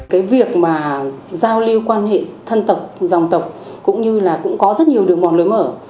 cái việc mà giao lưu quan hệ thân tộc dòng tộc cũng như là cũng có rất nhiều đường mòn lối mở